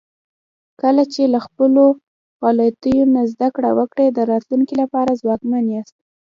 کله چې له خپلو غلطیو نه زده کړه وکړئ، د راتلونکي لپاره ځواکمن یاست.